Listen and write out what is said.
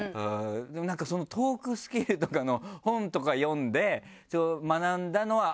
でもトークスキルとかの本とか読んで学んだのはあるんだね。